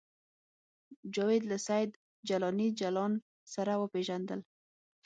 جاوید له سید جلاني جلان سره وپېژندل